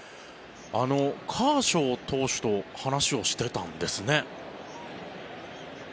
カーショウ投手と話をしてたんですね。